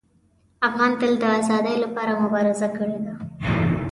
افغان تل د ازادۍ لپاره مبارزه کړې ده.